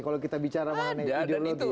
kalau kita bicara mengenai ideologi